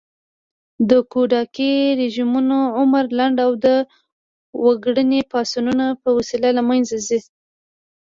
د ګوډاګي رژيمونه عمر لنډ او د وګړني پاڅونونو په وسیله له منځه ځي